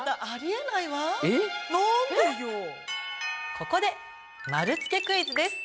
ここで丸つけクイズです。